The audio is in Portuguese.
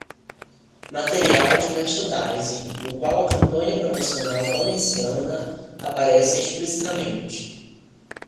Material de merchandising no qual a campanha promocional valenciana aparece explicitamente.